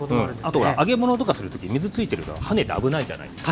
あとは揚げ物とかする時水ついてると跳ねて危ないじゃないですか。